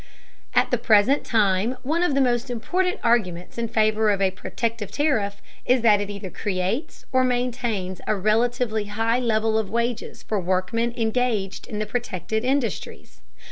At the present time one of the most important arguments in favor of a protective tariff is that it either creates or maintains a relatively high level of wages for workmen engaged in the protected industries.